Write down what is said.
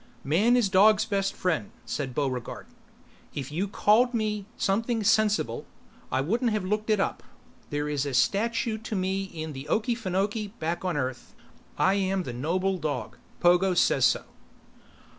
"Man is dog's best friend," said Buregarde. "If you'd called me something sensible, I wouldn't have looked it up. There is a statue to me in the Okeefenokee back on Earth. I am the noble dog. Pogo says so."